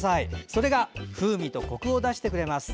それが風味とコクを出してくれます。